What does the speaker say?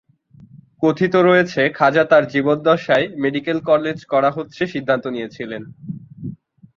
কথিত রয়েছে খাজা তার জীবদ্দশায় মেডিকেল কলেজ করা হচ্ছে সিদ্ধান্ত নিয়েছিলেন।